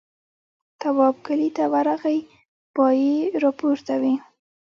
تواب کلي ته ورغی پایې راپورته وې.